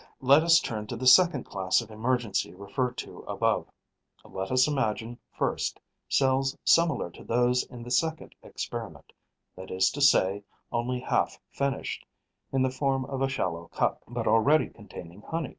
Let us turn to the second class of emergency referred to above: let us imagine, first, cells similar to those in the second experiment, that is to say, only half finished, in the form of a shallow cup, but already containing honey.